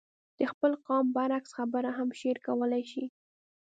د خپل قوم برعکس خبره هم شعر کولای شي.